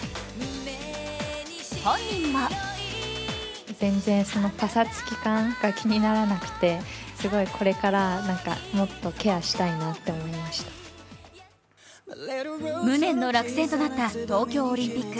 本人も無念の落選となった東京オリンピック。